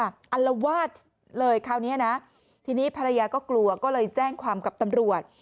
อารวาสเลยคราวนี้นะทีนี้ภรรยาก็กลัวก็เลยแจ้งความกับตำรวจ